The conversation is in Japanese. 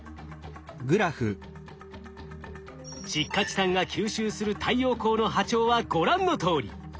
窒化チタンが吸収する太陽光の波長はご覧のとおり。